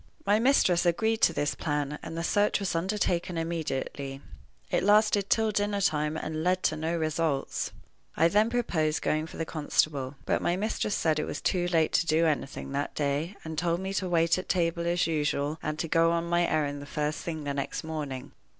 My mistress agreed to this plan, and the search was undertaken immediately. It lasted till dinner time, and led to no results. I then proposed going for the constable. But my mistress said it was too late to do anything that day, and told me to wait at table as usual, and to go on my errand the first thing the next morning.